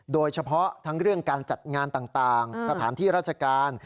โดยเฉพาะทั้งเรื่องการจัดงานต่างสถานที่ราชการ